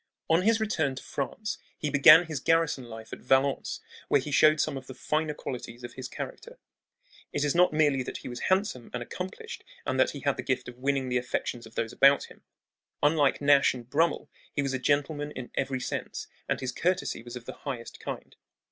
On his return to France he began his garrison life at Valence, where he showed some of the finer qualities of his character. It is not merely that he was handsome and accomplished and that he had the gift of winning the affections of those about him. Unlike Nash and Brummel, he was a gentleman in every sense, and his courtesy was of the highest kind.